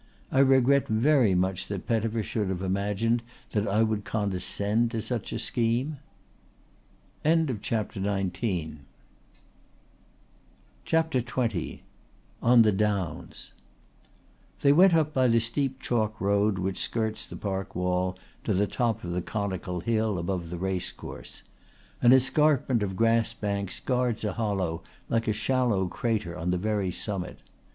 I regret very much that Pettifer should have imagined that I would condescend to such a scheme." CHAPTER XX ON THE DOWNS They went up by the steep chalk road which skirts the park wall to the top of the conical hill above the race course. An escarpment of grass banks guards a hollow like a shallow crater on the very summit.